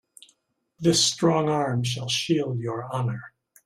This strong arm shall shield your honor.